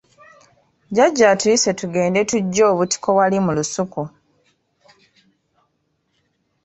Jjajja atuyise tugende tuggye obutiko wali mu lusuku.